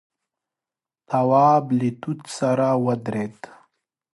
تواب له توت سره ودرېد.